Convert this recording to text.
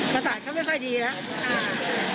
ประสาทเขาไม่ค่อยดีแล้ว